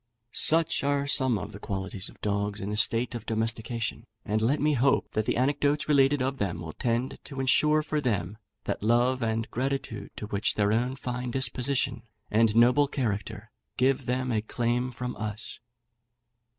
Such are some of the qualities of dogs in a state of domestication, and let me hope that the anecdotes related of them will tend to insure for them that love and gratitude to which their own fine disposition and noble character give them a claim from us.